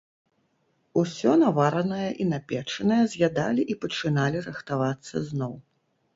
Усё наваранае і напечанае з'ядалі і пачыналі рыхтавацца зноў.